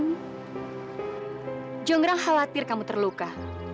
dan jongdrang khawatir kamu terluka